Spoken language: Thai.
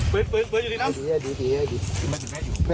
เบสอยู่ดีน้ำ